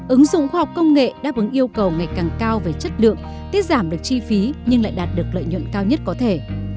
ứng dụng khoa học công nghệ đáp ứng yêu cầu ngày càng cao về chất lượng tiết giảm được chi phí nhưng lại đạt được lợi nhuận cao nhất có thể